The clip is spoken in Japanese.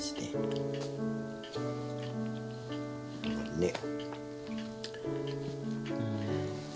ねっ。